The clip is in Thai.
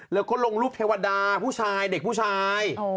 แล้วก็ลงรูปเทวดาผู้ชายเด็กผู้ชาย